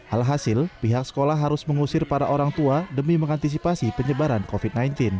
alhasil pihak sekolah harus mengusir para orang tua demi mengantisipasi penyebaran covid sembilan belas